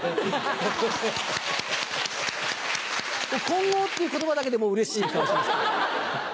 混合っていう言葉だけでもうれしい顔してますから。